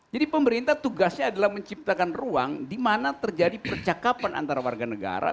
jadi pemerintah tugasnya adalah menciptakan ruang di mana terjadi percakapan antara warga negara